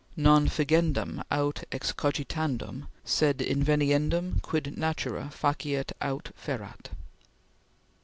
"Non fingendum aut excogitandum sed inveniendum quid Natura faciat aut ferat."